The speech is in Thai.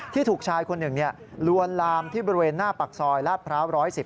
ถูกชายคนหนึ่งลวนลามที่บริเวณหน้าปากซอยลาดพร้าว๑๑๐